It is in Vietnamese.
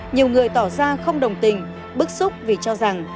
nhiều người tỏ ra không đồng tình bức xúc vì cho rằng